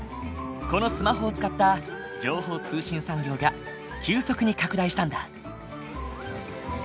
このスマホを使った情報通信産業が急速に拡大したんだ。